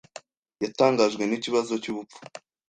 Yatangajwe n'ikibazo cyubupfu.